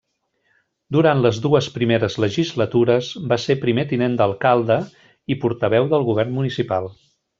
Durant les dues primeres legislatures va ser primer tinent d'alcalde i portaveu del govern municipal.